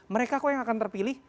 mereka kok yang akan terpilih